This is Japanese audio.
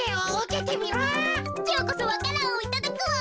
きょうこそわか蘭をいただくわ。